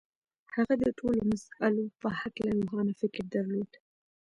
هغه د ټولو مسألو په هکله روښانه فکر درلود.